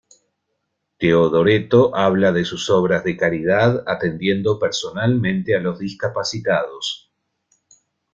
Teodoreto habla de sus obras de caridad, atendiendo personalmente a los discapacitados.